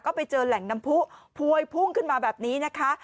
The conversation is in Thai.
ก็ไปเจอแหล่งน้ำผู้พวยพุ่งขึ้นมาแบบนี้นะคะ